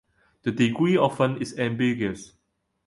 The degree of fun is ambiguous.